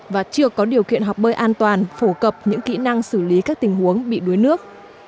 và chưa có điều kiện học bơi an toàn phổ cập những kỹ năng xử lý các tình huống bị đuối nước